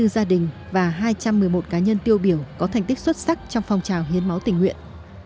hai mươi gia đình và hai trăm một mươi một cá nhân tiêu biểu có thành tích xuất sắc trong phong trào hiến máu tình nguyện